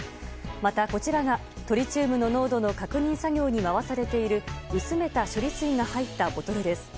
またこちらがトリチウムの濃度の確認作業に回されている薄めた処理水が入ったボトルです。